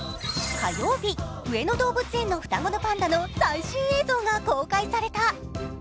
火曜日、上野動物園の双子のパンダの最新映像が公開された。